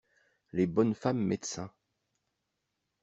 Les bonnes femmes médecins.